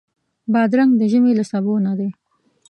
بادرنګ د ژمي له سبو نه دی.